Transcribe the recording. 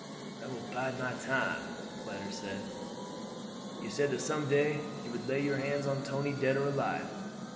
"I will bide my time," the planter said. "You said that some day you would lay hands on Tony dead or alive.